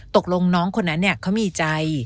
ตกลงน้องคนนั้นเขามีใจ